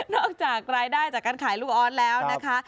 จากรายได้จากการขายลูกออสแล้วนะคะ